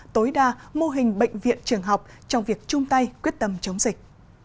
tối đa mô hình bệnh viện trường học trong việc chung tay quyết tâm chống dịch